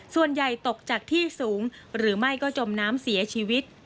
ส่วนใหญ่ตกจากที่สูงหรือไม่ก็จมน้ำเสียชีวิต